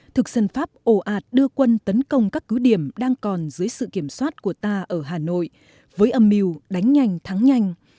thực dân pháp ồ ạt đưa quân tấn công các cứ điểm đang còn dưới sự kiểm soát của ta ở hà nội với âm mưu đánh nhanh thắng nhanh